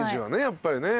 やっぱりね。